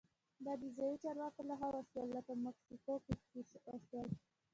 دا د ځايي چارواکو لخوا وشول لکه مکسیکو کې چې وشول.